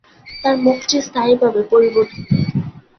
তার মুখটি স্থায়ীভাবে পরিবর্তিত।